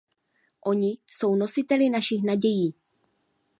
Oni jsou nositeli našich nadějí!